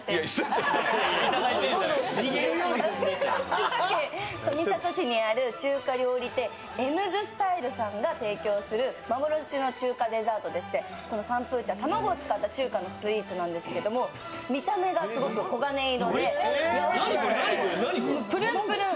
千葉県富里市にある中華料理店、エムズスタイルさんが提供する幻の中華デザートでしてこのサンプーチャン、卵を使った中華のスイーツなんですけれども、見た目がすごく黄金色でプルンプルン。